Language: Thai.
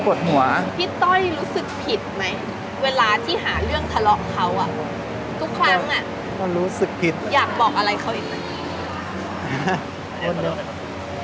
ที่หาเรื่องทะเลาะเค้าทุกครั้งอยากบอกอะไรเค้าอีกมั๊ย